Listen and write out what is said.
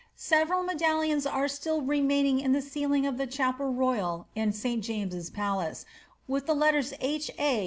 Several medallions are still remaining in the ceilinff of the chapel royal in St. Jameses palace, with the letters H. A.